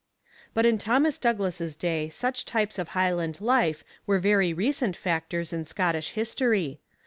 But in Thomas Douglas's day such types of Highland life were very recent factors in Scottish history.